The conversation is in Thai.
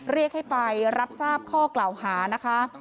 เรียกให้ไปรับทราบข้อกล่าวหานะคะ